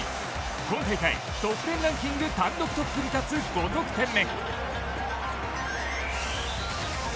今大会、得点ランキング単独トップに立つ５得点目。